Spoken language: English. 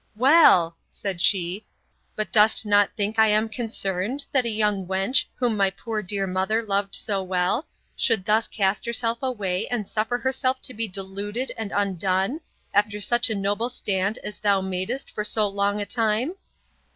Well, said she, but dost not think I am concerned, that a young wench, whom my poor dear mother loved so well, should thus cast herself away, and suffer herself to be deluded and undone, after such a noble stand as thou madst for so long a time?